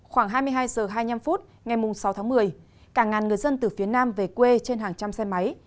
khoảng hai mươi hai h hai mươi năm phút ngày sáu tháng một mươi càng ngàn người dân từ phía nam về quê trên hàng trăm xe máy